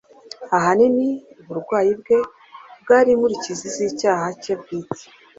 Ahanini, uburwayi bwe bwari inkurikizi z’icyaha cye bwite